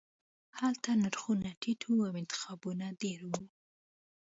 هلته نرخونه ټیټ وو او انتخابونه ډیر وو